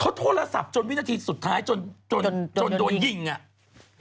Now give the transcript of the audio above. เขาโทรศัพท์จนวินาทีสุดท้ายจนจนโดนยิงอ่ะ